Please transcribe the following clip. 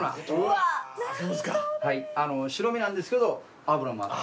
白身なんですけど脂もあって。